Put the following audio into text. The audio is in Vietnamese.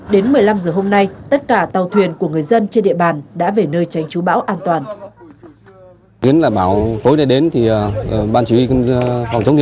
đến một mươi năm giờ hôm nay tất cả tàu thuyền của người dân trên địa bàn đã về nơi tránh chú bão an toàn